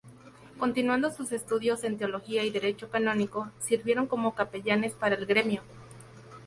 Continuando sus estudios en teología y derecho canónico, sirvieron como capellanes para el gremio.